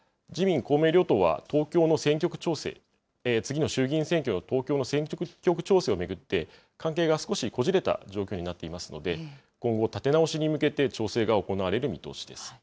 自民、公明両党は東京の選挙区調整、次の衆議院選挙の東京の選挙区調整を巡って、関係が少しこじれた状況になっていますので、今後、立て直しに向けて調整が行われる見通しです。